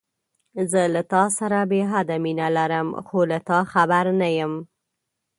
زه له تاسره بې حده مينه لرم، خو له تا خبر نه يم.